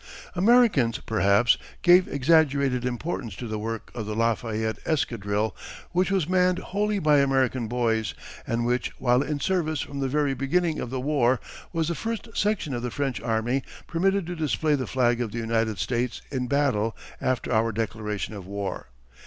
Americans, perhaps, gave exaggerated importance to the work of the Lafayette Escadrille which was manned wholly by American boys, and which, while in service from the very beginning of the war, was the first section of the French Army permitted to display the flag of the United States in battle after our declaration of war.